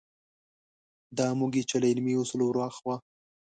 دا موږ یو چې له علمي اصولو وراخوا.